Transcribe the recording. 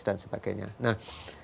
dan sebagainya nah